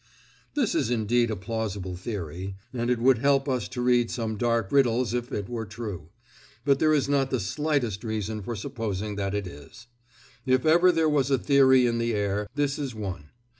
This is indeed a plausible theory, and it would help us to read some dark riddles if it were true, but there is not the slightest reason for supposing that it is. If ever there was a theory in the air, this is one.